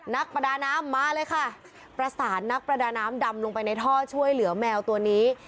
นักประดาน้ำมาเลยค่ะประสานนักประดาน้ำดำลงไปในท่อช่วยเหลือแมวตัวนี้